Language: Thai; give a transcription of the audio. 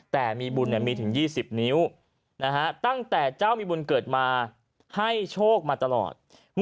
แต่มีบุญมีถึง๒๐นิ้วตั้งแต่เจ้ามีบุญเกิดมาให้โชคมาตลอด